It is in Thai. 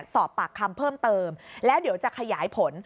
สอบปากคำเพิ่มเติมแล้วเดี๋ยวจะขยายผล